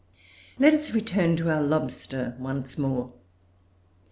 Let us return to our lobster once more.